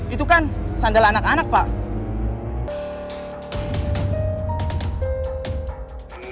itu kan sandal anak anak pak